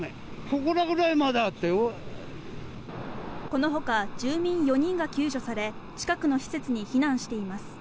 このほか住民４人が救助され近くの施設に避難しています。